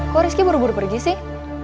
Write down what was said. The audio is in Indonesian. kok rizky buru buru pergi sih